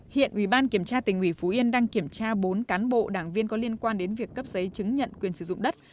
hiện ubktnh đang kiểm tra bốn cán bộ đảng viên có liên quan đến việc cấp giấy chứng nhận quyền sử dụng đất